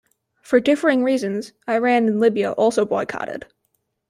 For differing reasons, Iran and Libya also boycotted.